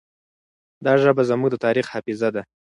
دا ژبه زموږ د تاریخ حافظه ده.